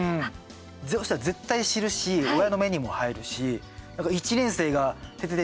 そうしたら絶対、知るし親の目にも入るしなんか１年生が「ててて！